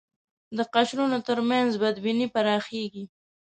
د قشرونو تر منځ بدبینۍ پراخېږي